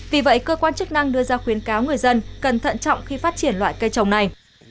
vì vậy cơ quan chức năng đưa ra khuyến cáo người dân cần thận trọng khi phát triển loại cây trồng này